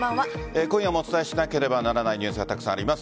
今夜もお伝えしなければならないニュースがたくさんあります。